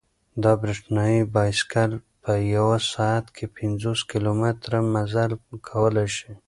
دا برېښنايي بایسکل په یوه ساعت کې پنځوس کیلومتره مزل کولای شي.